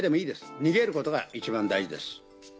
逃げることが一番大事です。